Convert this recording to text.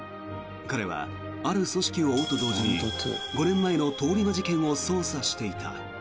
彼は、ある組織を追うと同時に５年前の通り魔事件を捜査していた。